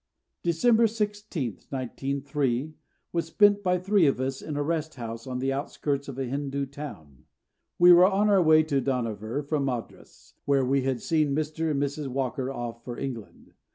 December 16, 1903, was spent by three of us in a rest house on the outskirts of a Hindu town. We were on our way to Dohnavur from Madras, where we had seen Mr. and Mrs. Walker off for England.